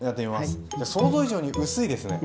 想像以上に薄いですね。